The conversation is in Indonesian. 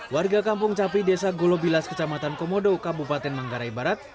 warga kampung capi desa golobilas kecamatan komodo kabupaten manggarai barat